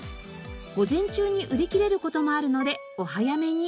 午前中に売り切れる事もあるのでお早めに。